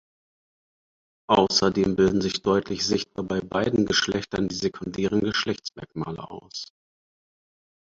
Außerdem bilden sich deutlich sichtbar bei beiden Geschlechtern die sekundären Geschlechtsmerkmale aus.